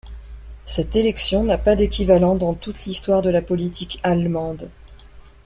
Cette élection n'a pas d'équivalent dans toute l'histoire de la politique allemande.